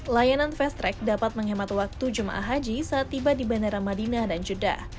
layanan fast track dapat menghemat waktu jemaah haji saat tiba di bandara madinah dan jeddah